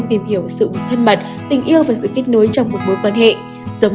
thân mật của họ